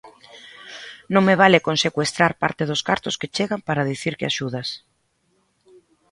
Non me vale con secuestrar parte dos cartos que chegan para dicir que axudas.